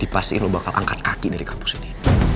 pasti lo bakal angkat kaki dari kampus ini